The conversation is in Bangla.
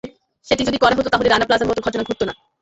সেটি যদি করা হতো, তাহলে রানা প্লাজার মতো ঘটনা ঘটত না।